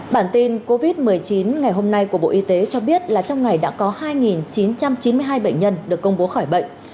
bản tin covid một mươi chín ngày hôm nay của bộ y tế cho biết là trong ngày đã có hai chín trăm chín mươi hai bệnh nhân được công bố khỏi bệnh